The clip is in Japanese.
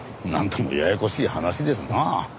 なんともややこしい話ですな。